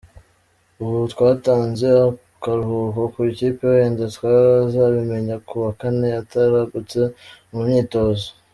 Ubu twatanze akaruhuko ku ikipe wenda twazabimenya kuwa Kane atagarutse mu myitozo.